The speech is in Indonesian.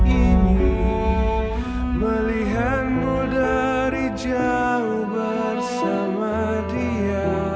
ini melihatmu dari jauh bersama dia